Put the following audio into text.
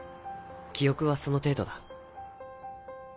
記憶はその程度だ。